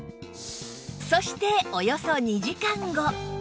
そしておよそ２時間後